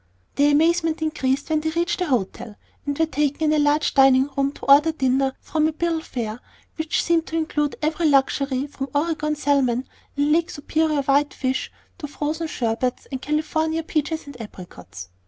Their amazement increased when they reached the hotel, and were taken in a large dining room to order dinner from a bill of fare which seemed to include every known luxury, from Oregon salmon and Lake Superior white fish to frozen sherbets and California peaches and apricots.